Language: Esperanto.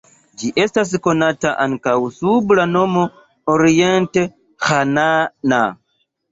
Ĝi estas konata ankaŭ sub la nomo orient-ĥanaana.